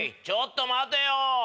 ちょっと待てよ。